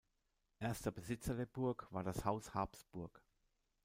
Erster Besitzer der Burg war das Haus Habsburg.